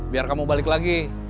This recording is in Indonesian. biar kamu balik lagi